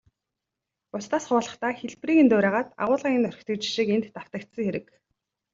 Бусдаас хуулахдаа хэлбэрийг нь дуурайгаад, агуулгыг нь орхидог жишиг энд давтагдсан хэрэг.